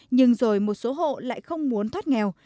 nhưng rồi một số hộ lại không muốn thoát nghèo